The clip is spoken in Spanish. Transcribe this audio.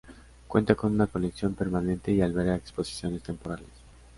Cuenta con una colección permanente y alberga exposiciones temporales.